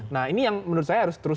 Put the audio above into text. nah ini yang menurut saya harus terus